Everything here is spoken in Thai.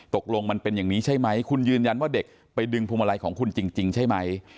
ตกลงมันเป็นอย่างนี้ใช่ไหมคุณยืนยันว่าเด็กไปดึงพวงมาลัยของคุณจริงใช่ไหม